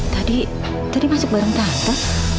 tadi tadi masuk bareng kelapa